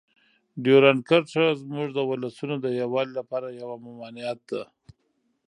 ډیورنډ کرښه زموږ د ولسونو د یووالي لپاره یوه ممانعت ده.